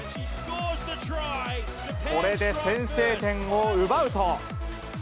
これで先制点を奪うと。